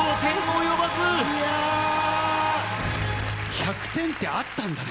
１００点ってあったんだね。